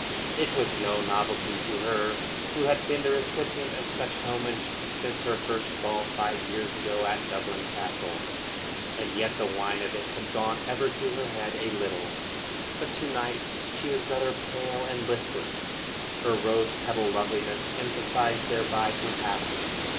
It was no novelty to her who had been the recipient of such homage since her first ball five years ago at Dublin Castle, and yet the wine of it had gone ever to her head a little. But to night she was rather pale and listless, her rose petal loveliness emphasised thereby perhaps.